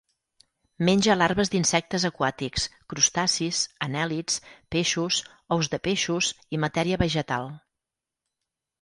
Menja larves d'insectes aquàtics, crustacis, anèl·lids, peixos, ous de peixos i matèria vegetal.